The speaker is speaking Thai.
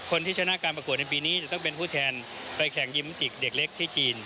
คนที่ชนะการประกวดในปีนี้จะต้องเป็นผู้แทนไปแข่งยิมจิกเด็กเล็กที่จีน